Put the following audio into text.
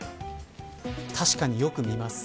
確かによく見ます。